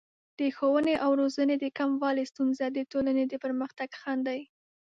د ښوونې او روزنې د کموالي ستونزه د ټولنې د پرمختګ خنډ دی.